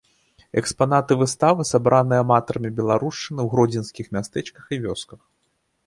Экспанаты выставы сабраныя аматарамі беларушчыны ў гродзенскіх мястэчках і вёсках.